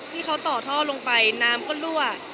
ที่เขาต่อท่อลงไปน้ำก็รั่ว